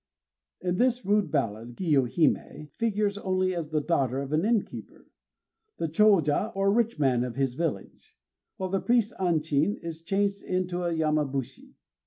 In this rude ballad Kiyohimé figures only as the daughter of an inn keeper, the Chôja, or rich man of his village; while the priest Anchin is changed into a Yamabushi.